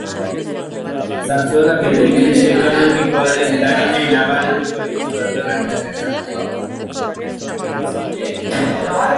Zarzuelak ere krisi ekonomikoaren eraginak nabarituko ditu datorren urtean.